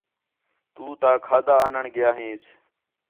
تُو تاں کھادا آݨ ڳِیا ہینس